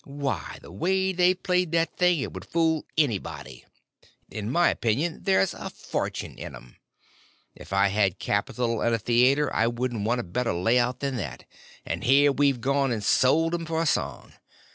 Why, the way they played that thing it would fool anybody. In my opinion, there's a fortune in 'em. If I had capital and a theater, I wouldn't want a better lay out than that—and here we've gone and sold 'em for a song.